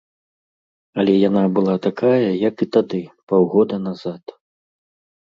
Але яна была такая, як і тады, паўгода назад.